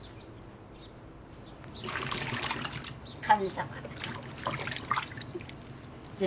神様。